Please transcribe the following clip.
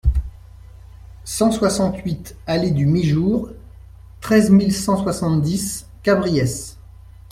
cent soixante-huit allée du Miejour, treize mille cent soixante-dix Cabriès